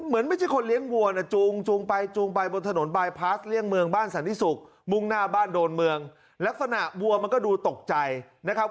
มุ่งหน้าบ้านโดนเมืองลักษณะวัวมันก็ดูตกใจนะครับ